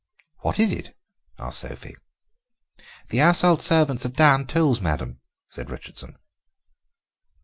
"What is it?" asked Sophie. "The household servants have 'downed tools,' madame," said Richardson.